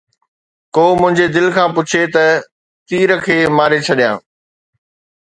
ڪو منهنجي دل کان پڇي ته تير کي ماري ڇڏيان